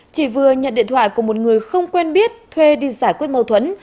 chỉ vừa nhận điện thoại của một người không quen biết thuê đi giải quyết mâu thuẫn